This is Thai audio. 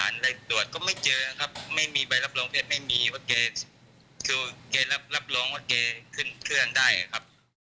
อาจจะเป็นเพราะหายใจไม่ไหวแล้วน่าจะเป็นการเข้าใจผิดมากกว่า